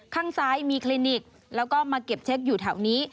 ข้างซ้ายมีคลินิกแล้วก็มาเก็บเช็คอยู่แถวนี้